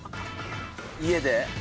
家で？